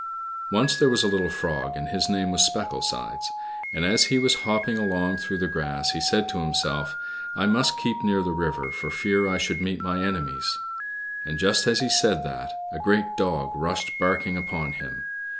O NCE there was a little frog, and his name was Specklesides ; and as he was hopping along through the grass he said to himself, I must keep near the river for fear I should meet my enemies,'' and just as he said that, a great dog rushed barking upon him.